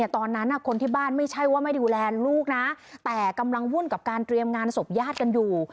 ตอนนั้นคนที่บ้านไม่ใช่ว่าไม่ดูแลลูกนะแต่กำลังวุ่นกับการเตรียมงานศพญาติกันอยู่